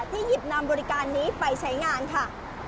หยิบนำบริการนี้ไปใช้งานค่ะ